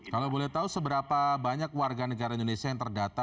kalau boleh tahu seberapa banyak warga negara indonesia yang terdata